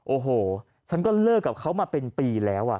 โอ้โหฉันก็เลิกกับเขามาเป็นปีแล้ว